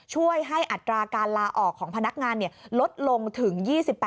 ช่วยให้อัตราการลาออกของพนักงานลดลงถึง๒๘